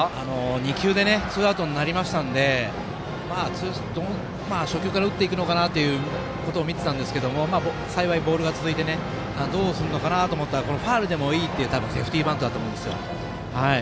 ２球でツーアウトになりましたので初球から打っていくのかなということを見ていたんですが幸い、ボールが続いてどうするかなと思ったらファウルでもいいというセーフティーバントですね。